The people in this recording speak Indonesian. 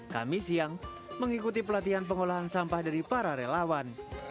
kami siang mengikuti pelatihan pengolahan sampah dari para relawan